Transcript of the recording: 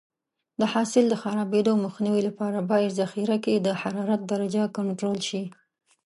د حاصل د خرابېدو مخنیوي لپاره باید ذخیره کې د حرارت درجه کنټرول شي.